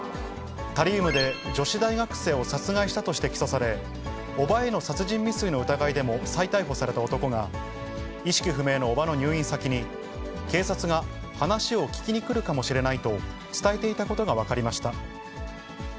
タリウムで女子大学生を殺害したとして起訴され、叔母への殺人未遂の疑いでも再逮捕された男が、意識不明の叔母の入院先に、警察が話を聴きに来るかもしれないと伝えていたことが分かりました。